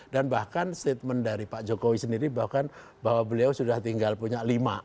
dan bahkan statement dari pak jokowi sendiri bahkan bahwa beliau sudah tinggal punya lima